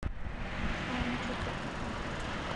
ئەوان جووت دەکەن.